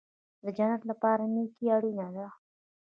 د جنت لپاره نیکي اړین ده